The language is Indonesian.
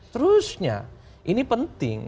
terusnya ini penting